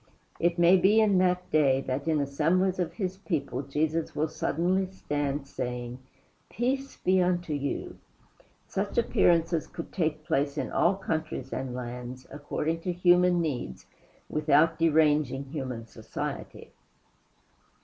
It may be in that day that in assemblies of his people Jesus will suddenly stand, saying, "Peace be unto you!" Such appearances could take place in all countries and lands, according to human needs, without deranging human society.